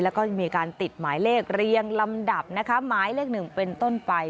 แล้วก็มีการติดหมายเลขเรียงลำดับนะคะหมายเลขหนึ่งเป็นต้นไป